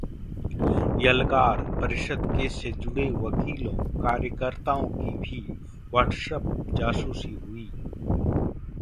यलगार Parishad case से जुड़े वकीलों, कार्यकर्ताओं की भी व्हाट्सएप जासूसी हुई?